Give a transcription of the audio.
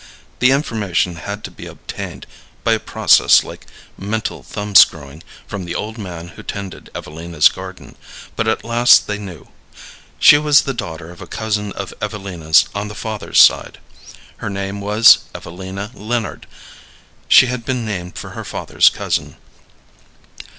The information had to be obtained, by a process like mental thumb screwing, from the old man who tended Evelina's garden, but at last they knew. She was the daughter of a cousin of Evelina's on the father's side. Her name was Evelina Leonard; she had been named for her father's cousin.